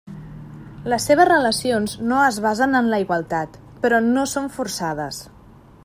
Les seves relacions no es basen en la igualtat; però no són forçades.